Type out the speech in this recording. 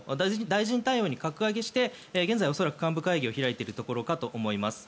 大臣対応に格上げして現在、恐らく幹部会議を開いているところかと思います。